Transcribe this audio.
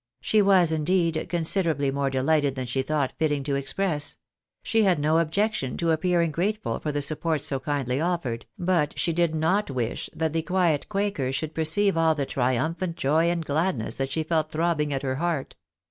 She was indeed considerably more delighted than she thought fitting to express ; she had no objection to appearing grateful for the support so kindly offered, but she did not wish that the quiet quakers should perceive all the triumphant joy and gladness that she felt throbbing at her heart.